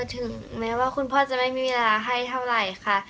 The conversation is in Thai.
ถึงแม้ว่าคุณพ่อจะไม่มีเวลาให้เท่าไหร่ค่ะ